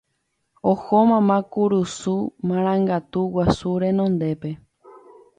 oho mama kurusu marangatu guasu renondépe